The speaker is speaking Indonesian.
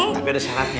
tapi ada syaratnya